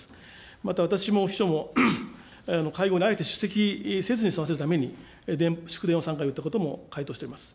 また私も秘書も、会合にあえて出席せずに済ませるために、祝電を３回打ったことも回答しております。